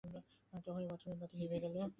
আর তখনি বাথরুমের বাতি নিভে গেল।